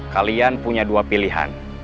kalian punya dua pilihan